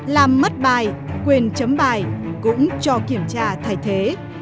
làm mất bài quyền chấm bài cũng cho kiểm tra thay thế